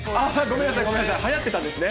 ごめんなさい、はやってたんですね。